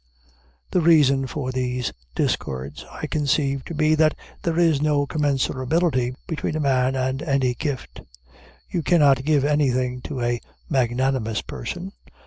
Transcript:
The reason for these discords I conceive to be that there is no commensurability between a man and any gift. You cannot give anything to a magnanimous person.